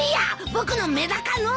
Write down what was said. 僕のメダカのんで。